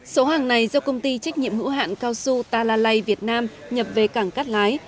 số hàng này do công ty trách nhiệm hữu hạn cao su talalay việt nam nhập về cảng cát lái